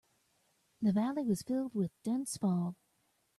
The valley was filled with dense fog.